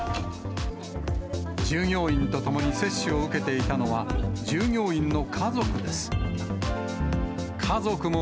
従業員と共に接種を受けていたのは、従業員の家族です。